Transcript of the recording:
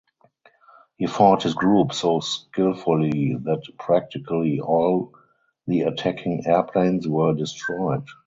He fought his group so skillfully that practically all the attacking airplanes were destroyed.